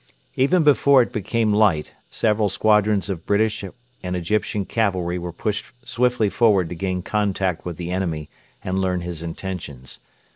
Even before it became light several squadrons of British and Egyptian cavalry were pushed swiftly forward to gain contact with the enemy and learn his intentions.